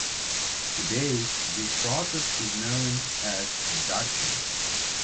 Today, this process is known as "Dutching".